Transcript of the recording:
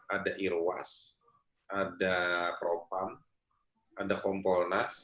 ada iruas ada kropam ada kompolnas